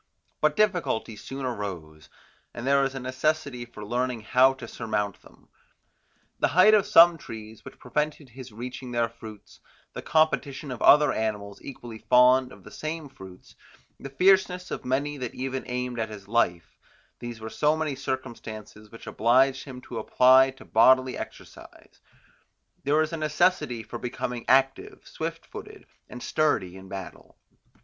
But difficulties soon arose, and there was a necessity for learning how to surmount them: the height of some trees, which prevented his reaching their fruits; the competition of other animals equally fond of the same fruits; the fierceness of many that even aimed at his life; these were so many circumstances, which obliged him to apply to bodily exercise. There was a necessity for becoming active, swift footed, and sturdy in battle.